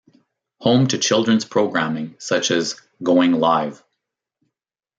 Home to children's programming such as Going Live!